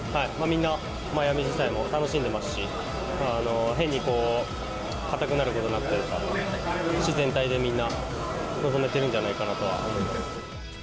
みんな、マイアミ自体も楽しんでますし、変にこう、硬くなることなくというか、自然体でみんな、臨めてるんじゃないかなとは思います。